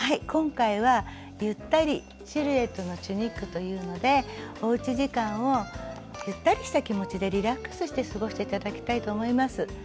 今回は「ゆったりシルエットのチュニック」というのでおうち時間をゆったりした気持ちでリラックスして過ごして頂きたいと思います。